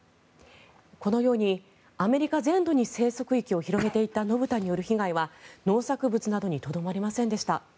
このようにアメリカ全土に生息域を広げていった野豚による被害は農作物などにとどまりませんでした。